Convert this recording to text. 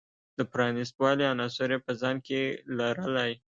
د پرانیست والي عناصر یې په ځان کې لرلی.